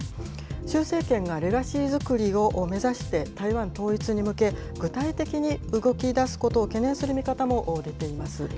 習政権がレガシー作りを目指して台湾統一に向け、具体的に動きだすことを懸念する見方も出ています。